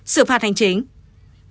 sự phạt hành chính